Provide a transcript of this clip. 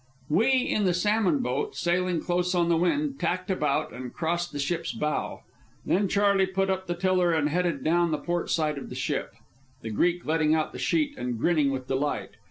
We in the salmon boat, sailing close on the wind, tacked about and crossed the ship's bow. Then Charley put up the tiller and headed down the port side of the ship, the Greek letting out the sheet and grinning with delight.